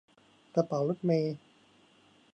กระเป๋ารถเมล์